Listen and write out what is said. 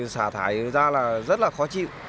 xả thải ra là rất là khó chịu